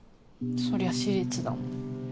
そりゃ私立だもん